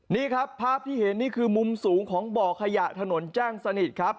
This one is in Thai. นี่ครับภาพที่เห็นนี่คือมุมสูงของบ่อขยะถนนแจ้งสนิทครับ